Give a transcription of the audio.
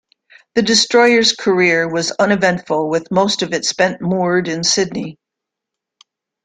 The destroyer's career was uneventful, with most of it spent moored in Sydney.